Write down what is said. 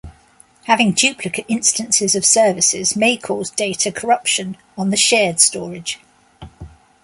Having duplicate instances of services may cause data corruption on the shared storage.